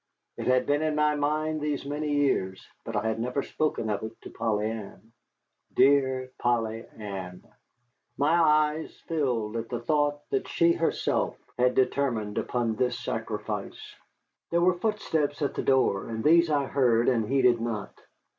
It had been in my mind these many years, but I had never spoken of it to Polly Ann. Dear Polly Ann! My eyes filled at the thought that she herself had determined upon this sacrifice. There were footsteps at the door, and these I heard, and heeded not.